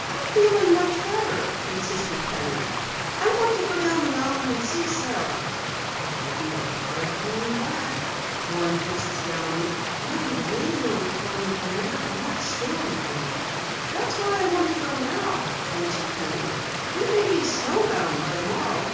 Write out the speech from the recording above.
"I'm feeling much better," insisted Penny. "I want to go down the mountain and see Sara." "It will be a hard climb back," warned Mrs. Downey. "And the radio reported another bad storm coming." "That's why I want to go now," answered Penny. "We may be snowbound by tomorrow."